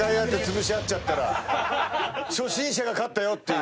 初心者が勝ったよっていう。